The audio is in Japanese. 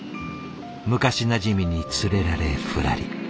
昔なじみに連れられふらり。